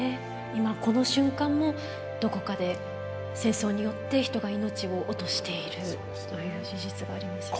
今この瞬間もどこかで戦争によって人が命を落としているという事実がありますよね。